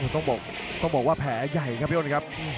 ต้องบอกว่าแผลใหญ่ครับพี่โอนครับ